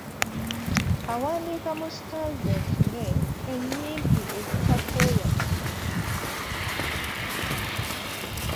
Awandiika mu sitanza empime ennyimpi ezitakooya musomi.